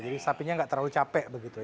jadi sapinya nggak terlalu capek begitu ya